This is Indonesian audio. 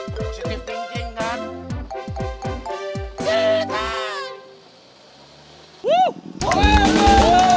kok mondi bisa setegak itu ya